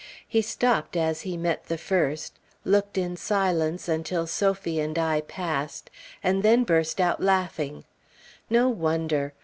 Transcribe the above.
He stopped as he met the first, looked in silence until Sophie and I passed, and then burst out laughing. No wonder!